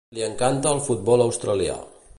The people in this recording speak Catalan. Li encanta el futbol australià.